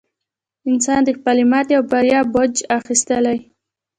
انسان د خپلې ماتې او بریا جاج اخیستلی.